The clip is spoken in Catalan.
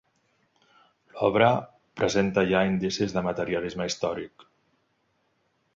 L'obra presenta ja indicis de materialisme històric.